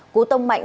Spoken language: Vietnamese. cứu tông mạnh